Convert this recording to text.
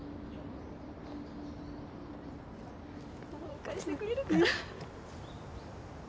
お迎えしてくれるかな？